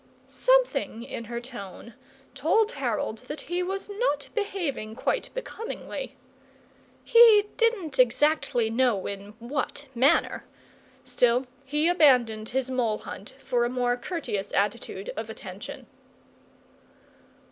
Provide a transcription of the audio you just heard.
Something in her tone told Harold that he was not behaving quite becomingly. He didn't exactly know in what manner; still, he abandoned his mole hunt for a more courteous attitude of attention.